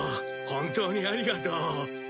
本当にありがとう。